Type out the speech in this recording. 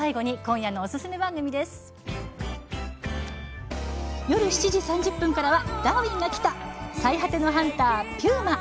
夜７時３０分からは「ダーウィンが来た！」「最果てのハンター！ピューマ」。